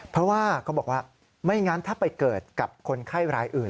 เพราะว่าเขาบอกว่าไม่งั้นถ้าไปเกิดกับคนไข้รายอื่น